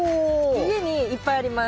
家にいっぱいあります。